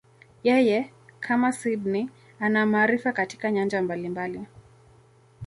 Yeye, kama Sydney, ana maarifa katika nyanja mbalimbali.